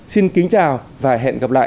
xin kính chào và hẹn gặp lại